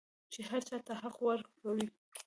چې هر چا ته حق ورکوي.